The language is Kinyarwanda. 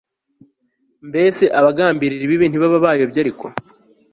Mbese abagambirira ibibi ntibaba bayobye Ariko